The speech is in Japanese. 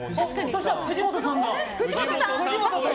そうしたら藤本さんだ。